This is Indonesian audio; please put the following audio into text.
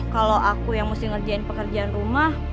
kalau aku yang mesti ngerjain pekerjaan rumah